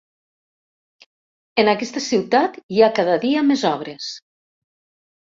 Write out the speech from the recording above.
En aquesta ciutat hi ha cada dia més obres.